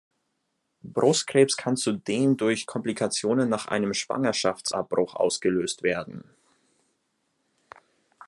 Brustkrebs kann zudem durch Komplikationen nach einem Schwangerschaftsabbruch ausgelöst werden.